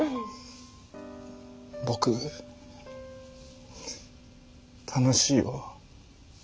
僕楽しいよ。